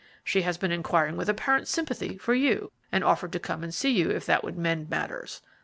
She has been inquiring with apparent sympathy for you, and offered to come and see you if that would mend matters.